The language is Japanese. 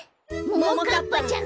ももかっぱちゃん。